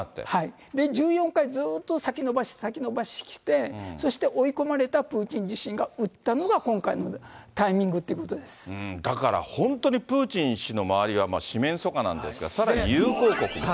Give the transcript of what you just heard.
１４回、ずっと先延ばし、先延ばしして、そして追い込まれたプーチン自身がうったのが今回のタイミングとだから本当にプーチン氏の周りは四面楚歌なんですが、さらに友好国も。